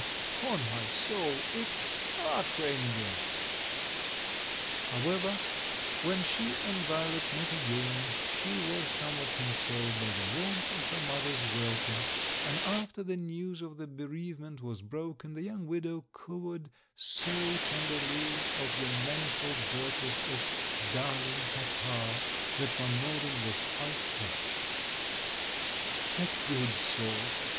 Upon my soul, it's heartrending!" However, when she and Violet met again she was somewhat consoled by the warmth of her mother's welcome ; and after the news of the be reavement was broken, the young widow cooed so tenderly of the manifold virtues of "darling papa" that Van Norden was quite touched. "A good sort!"